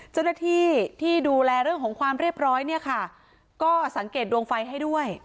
เจ้าหน้าที่ที่ดูแลเรื่องของความเรียบร้อยเนี่ยค่ะก็สังเกตดวงไฟให้ด้วย